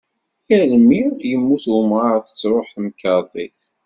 Yal mi yemmut umɣar tettruḥ temkerḍit.